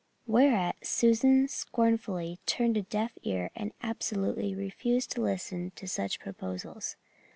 Whereat Susan scornfully turned a deaf ear and absolutely refused to listen to such proposals.